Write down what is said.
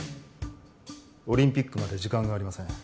オリンピックまで時間がありません。